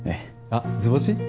あっ図星？